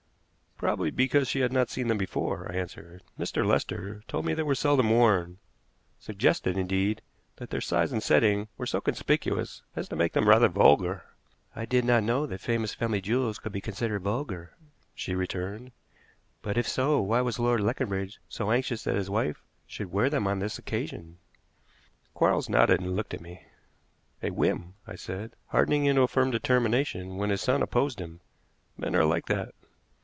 "Probably because she had not seen them before," I answered. "Mr. Lester told me they were seldom worn suggested, indeed, that their size and setting were so conspicuous as to make them rather vulgar." "I did not know that famous family jewels could be considered vulgar," she returned; "but, if so, why was Lord Leconbridge so anxious that his wife should wear them on this occasion?" Quarles nodded and looked at me. "A whim," I said; "hardening into a firm determination when his son opposed him. Men are like that."